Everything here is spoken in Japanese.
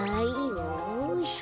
よし。